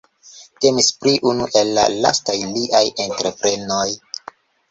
Temis pri unu el la lastaj liaj entreprenoj.